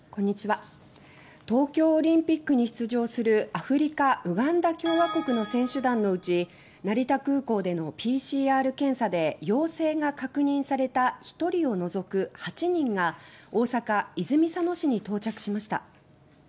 東京オリンピックに出場するアフリカ・ウガンダ共和国の選手団のうち成田空港でのＰＣＲ検査で陽性が確認された１人を除く８人が大阪・泉佐野市に到着しました。